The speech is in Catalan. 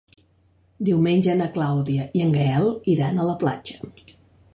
Diumenge na Clàudia i en Gaël iran a la platja.